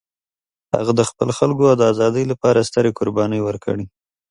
هغه د خپل خلکو د ازادۍ لپاره سترې قربانۍ ورکړې.